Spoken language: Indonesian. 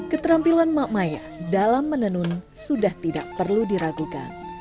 keterampilan mak maya dalam menenun sudah tidak perlu diragukan